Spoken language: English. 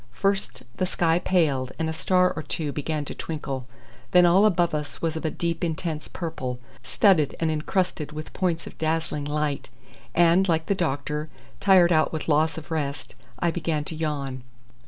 First the sky paled and a star or two began to twinkle, then all above us was of a deep intense purple, studded and encrusted with points of dazzling light, and, like the doctor, tired out with loss of rest, I began to yawn.